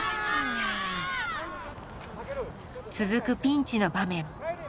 続くピンチの場面。